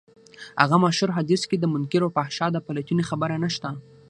هغه مشهور حديث کې د منکر او فحشا د پلټنې خبره نشته.